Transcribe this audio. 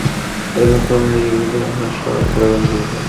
এর বর্তমান মালিক রোডেরিক আশার আমার ছোটবেলার বন্ধু।